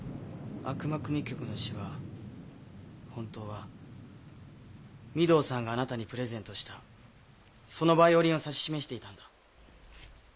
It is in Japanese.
『悪魔組曲』の詩は本当は御堂さんがあなたにプレゼントしたそのバイオリンを指し示していたんだ。